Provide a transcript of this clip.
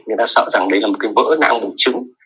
người ta sợ rằng đấy là một cái vỡ nạng bụng trứng